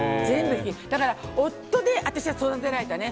だから、夫で私は育てられたね。